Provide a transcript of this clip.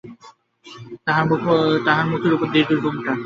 তাহার পর মুখের উপর দীর্ঘ ঘোমটা টানিয়া অদূরবর্তী রাজীবের বাড়ি গেল।